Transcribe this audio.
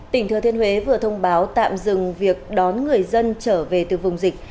tỉnh thừa thiên huế vừa thông báo tạm dừng việc đón người dân trở về từ vùng dịch